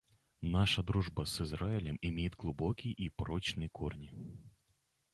Наша дружба с Израилем имеет глубокие и прочные корни.